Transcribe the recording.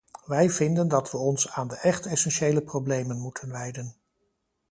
Wij vinden dat we ons aan de echt essentiële problemen moeten wijden.